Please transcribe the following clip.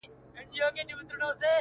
حالاتو دومره محبت کي راگير کړی يمه!